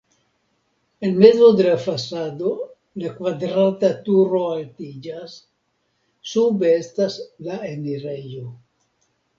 En mezo de la fasado la kvadrata turo altiĝas, sube estas la enirejo.